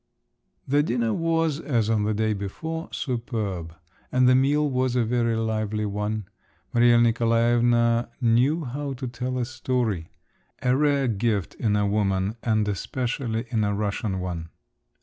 The dinner was, as on the day before, superb, and the meal was a very lively one. Maria Nikolaevna knew how to tell a story … a rare gift in a woman, and especially in a Russian one!